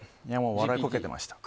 笑いこけてました。